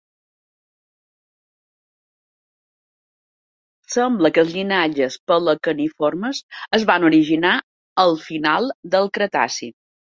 Sembla que els llinatges pelecaniformes es van originar al final del Cretaci.